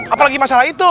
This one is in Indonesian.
apalagi masalah itu